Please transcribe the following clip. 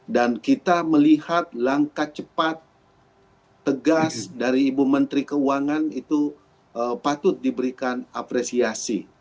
dan kita melihat langkah cepat tegas dari ibu menteri keuangan itu patut diberikan apresiasi